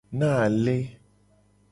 Na ale.